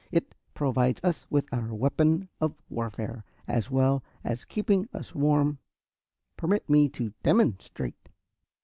It provides us with our weapon of warfare, as well as keeping us warm. Permit me to demonstrate."